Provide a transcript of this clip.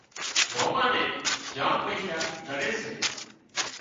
ماما نين جام پئيشا زڙي سي